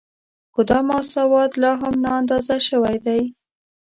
خو دا مساوات لا هم نااندازه شوی دی